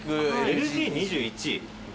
ＬＧ２１！